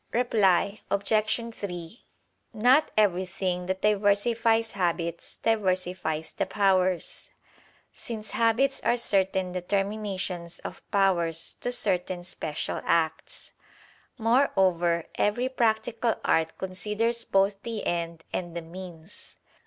Reply Obj. 3: Not everything that diversifies habits, diversifies the powers: since habits are certain determinations of powers to certain special acts. Moreover, every practical art considers both the end and the means.